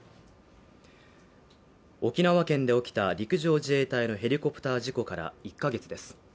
沖縄県で起きた陸上自衛隊のヘリコプター事故から１ヶ月です。